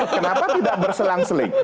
kenapa tidak berselang seling